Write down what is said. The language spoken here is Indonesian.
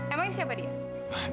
emang ini siapa dia